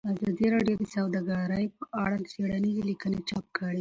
ازادي راډیو د سوداګري په اړه څېړنیزې لیکنې چاپ کړي.